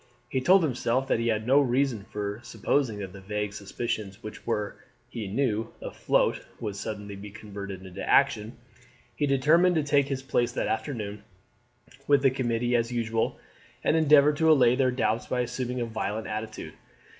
He told himself that he had no reason for supposing that the vague suspicions which were, he knew, afloat would suddenly be converted into action. He determined to take his place that afternoon with the committee as usual, and endeavour to allay their doubts by assuming a violent attitude.